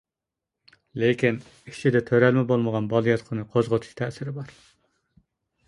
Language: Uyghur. لېكىن ئىچىدە تۆرەلمە بولمىغان بالىياتقۇنى قوزغىتىش تەسىرى بار.